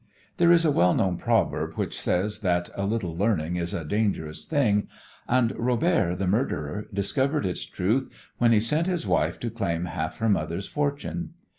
There is a well known proverb which says that "A little learning is a dangerous thing," and Robert, the murderer, discovered its truth when he sent his wife to claim half her mother's fortune.